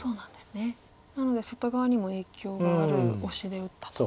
なので外側にも影響があるオシで打ったと。